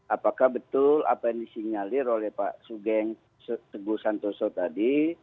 apakah betul apa yang disinyalir oleh pak sugeng teguh santoso tadi